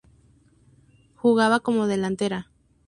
Jugaba como delantera.